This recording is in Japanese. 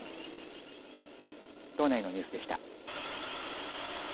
道内のニュースでした。